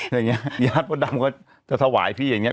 อย่างนี้ญาติมดดำก็จะถวายพี่อย่างนี้